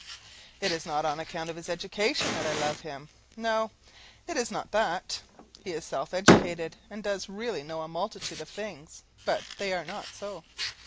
It is not on account of his education that I love him no, it is not that. He is self educated, and does really know a multitude of things, but they are not so.